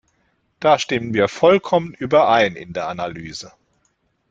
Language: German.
Da stimmen wir vollkommen überein in der Analyse.